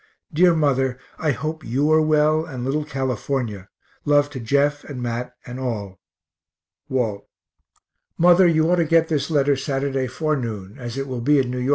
Dear mother, I hope you are well, and little California love to Jeff and Mat and all. WALT. Mother, you ought to get this letter Saturday forenoon, as it will be in N. Y.